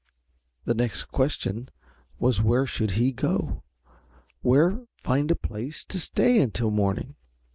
The next question was where should he go where find a safe place to stay until morning.